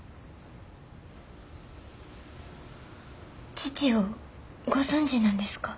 父をご存じなんですか？